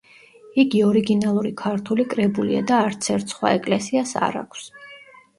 იგი ორიგინალური ქართული კრებულია და არც ერთ სხვა ეკლესიას არ აქვს.